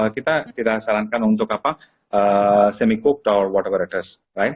kita tidak sarankan untuk semi cooked or whatever it is